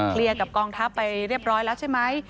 กับกองทัพไปเรียบร้อยแล้วใช่ไหม